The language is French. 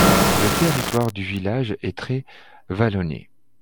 Le territoire du village est très vallonnés.